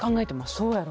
そうやろ？